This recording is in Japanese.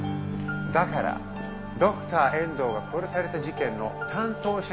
だからドクター遠藤が殺された事件の担当者に会わせてほしい。